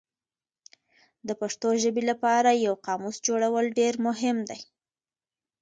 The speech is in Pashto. د پښتو ژبې لپاره یو قاموس جوړول ډېر مهم دي.